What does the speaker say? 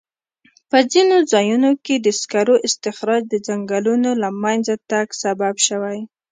په ځینو ځایونو کې د سکرو استخراج د ځنګلونو له منځه تګ سبب شوی.